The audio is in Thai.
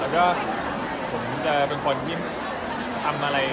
แล้วก็ผมจะเป็นคนที่ทำอะไร